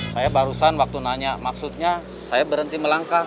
saya barusan waktu nanya maksudnya saya berhenti melangkah